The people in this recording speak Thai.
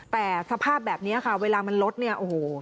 แต่สภาพแบบนี้เวลามันลดเนี่ย